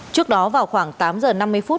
trước đó vào khoảng tám h năm mươi phút